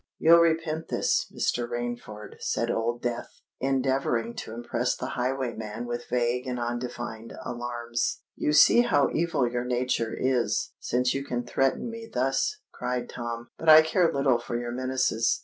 "You'll repent this, Mr. Rainford," said Old Death, endeavouring to impress the highwayman with vague and undefined alarms. "You see how evil your nature is, since you can threaten me thus," cried Tom. "But I care little for your menaces.